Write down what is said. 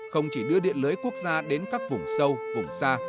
không chỉ đưa điện lưới quốc gia đến các vùng sâu vùng xa